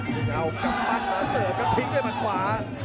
ต้องเอากับมันมาเสิร์ฟก็ทิ้งด้วยมันขวา